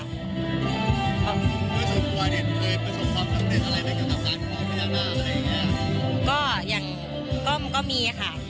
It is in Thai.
มันจะมีถ้ำ